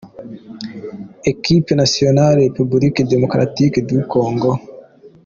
Équipe nationale République Démocratique du Congo.